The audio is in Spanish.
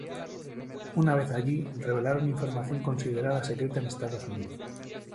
Una vez allí revelaron información considerada secreta en Estados Unidos.